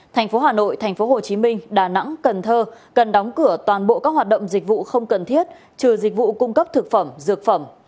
thành phố hà nội thành phố hồ chí minh đà nẵng cần thơ cần đóng cửa toàn bộ các hoạt động dịch vụ không cần thiết trừ dịch vụ cung cấp thực phẩm dược phẩm